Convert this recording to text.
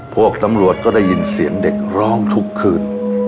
พวกตำรวจก็ได้ยินเสียงเด็กร้องทุกคืน